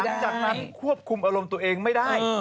หลังจากนั้นควบคุมอารมณ์ตัวเองไม่ได้